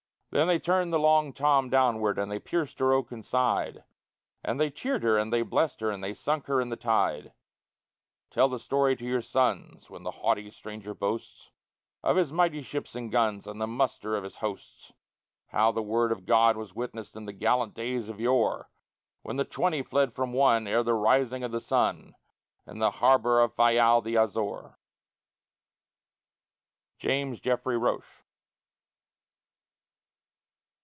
Then they turned the Long Tom downward, and they pierced her oaken side, And they cheered her, and they blessed her, and they sunk her in the tide. Tell the story to your sons, When the haughty stranger boasts Of his mighty ships and guns And the muster of his hosts, How the word of God was witnessed in the gallant days of yore When the twenty fled from one ere the rising of the sun, In the harbor of Fayal the Azore! JAMES JEFFREY ROCHE.